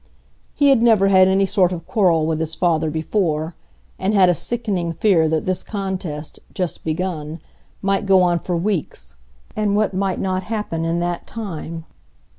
He had never had any sort of quarrel with his father before, and had a sickening fear that this contest, just begun, might go on for weeks; and what might not happen in that time?